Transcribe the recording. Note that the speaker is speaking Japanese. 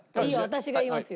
私が言いますよ。